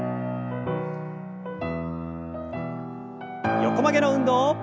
横曲げの運動。